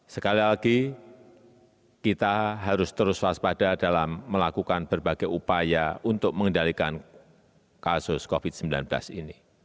sekali lagi kita harus terus waspada dalam melakukan berbagai upaya untuk mengendalikan kasus covid sembilan belas ini